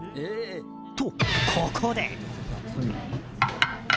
と、ここで！